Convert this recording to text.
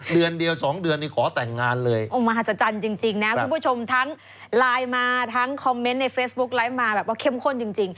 เดือนเดียวสองเดือนนี่ขอแต่งงานเลยคุณผู้ชมถั้งไลน์มาทั้งคอมเม้นในเฟซบุ๊กไลน์มาแบบว่าเข้มข้นจริง